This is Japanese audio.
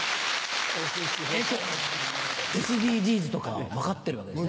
ＳＤＧｓとか分かってるわけですね？